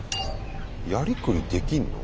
やりくりできんの？